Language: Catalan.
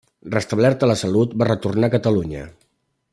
Restablerta la salut, va retornar a Catalunya.